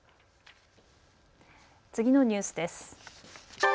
次のニュースです。